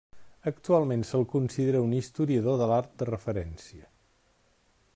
Actualment se'l considera un historiador de l'art de referència.